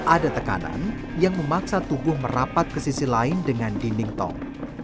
ada tekanan yang memaksa tubuh merapat ke sisi lain dengan dinding tong